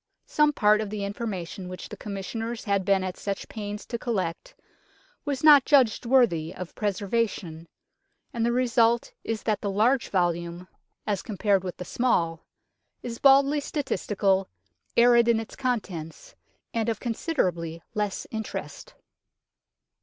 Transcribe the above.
Some part of the information which the Commissioners had been at such pains to collect was not judged worthy of preservation, and the result is that the large volume, as com THE DOMESDAY BOOK 77 pared with the small, is baldly statistical, arid in its contents, and of considerably less interest.